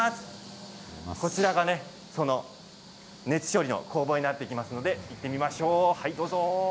こちらが熱処理の工房になっていきますので行きましょう。